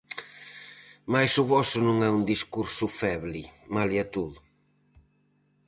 Mais o voso non é un discurso feble, malia todo.